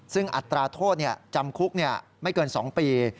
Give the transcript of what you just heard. ซึ่งอัตราโทษจำคุกไม่เกิน๒ปี